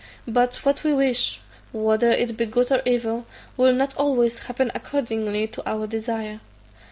But what we wish, whether it be good or evil, will not always happen according to our desire.